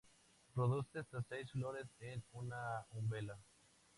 Produce hasta seis flores en una umbela.